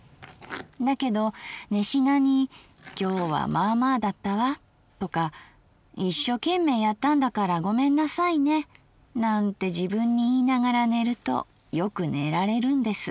だけど寝しなに『今日はまあまあだったわ』とか『一所懸命やったんだからごめんなさいね』なんて自分に言いながら寝るとよく寝られるんです。